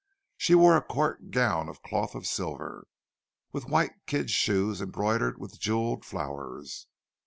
She wore a court gown of cloth of silver, with white kid shoes embroidered with jewelled flowers.